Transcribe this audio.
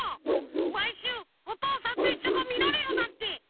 まいしゅう「おとうさんといっしょ」がみられるなんて。